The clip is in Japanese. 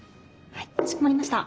はいかしこまりました。